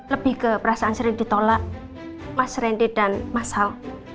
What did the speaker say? lebih ke perasaan sering ditolak mas randy dan mas hal